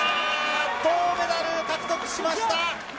銅メダル、獲得しました。